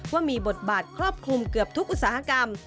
ว่ามีบทบาทครอบคลุมเกือบทุกอุตสาหกรรม